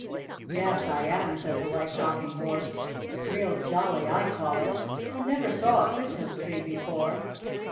"Yes, I am," said the White Rocking Horse. "Real jolly, I call it! I never saw a Christmas tree before."